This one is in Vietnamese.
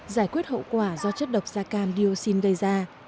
giải quyết hậu quả do chất độc da cam dioxin gây ra